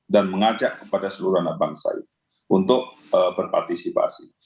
dan mengajak kepada seluruh anak bangsa itu untuk berpartisipasi